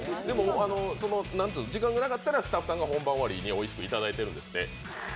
時間がなかったらスタッフさんがおいしくいただいているんですって。